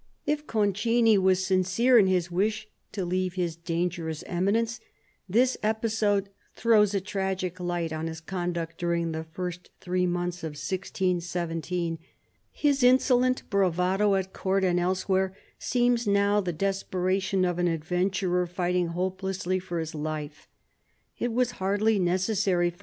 If Concini was sincere in his wish to leave his dangerous eminence, this episode throws a tragic light on his conduct during the first three months of 1617. His insolent bravado at Court and elsewhere seems now the desperation of an adventurer fighting hopelessly for his life. It was hardly necessary for M.